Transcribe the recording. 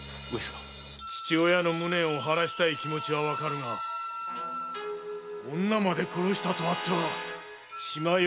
⁉父親の無念を晴らしたい気持ちはわかるが女まで殺したとあっては血迷うたとしか言いようがあるまい！